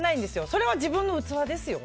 それは自分の器ですよ。